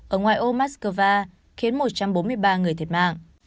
ở ngoài ô moscow khiến một trăm bốn mươi ba người thiệt mạng